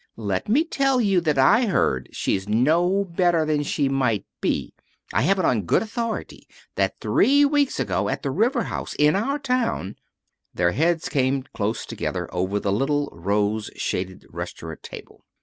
Let me tell you that I heard she's no better than she might be. I have it on good authority that three weeks ago, at the River House, in our town " Their heads came close together over the little, rose shaded restaurant table.